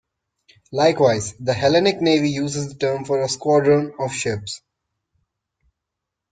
Likewise, the Hellenic Navy uses the term for a squadron of ships.